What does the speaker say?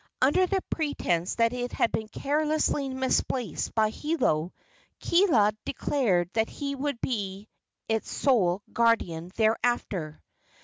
Under the pretence that it had been carelessly misplaced by Hiolo, Kiha declared that he would be its sole guardian thereafter.